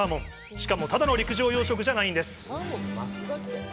しかも、ただの陸上養殖じゃないんです。